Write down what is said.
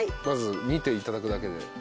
まず見ていただくだけで。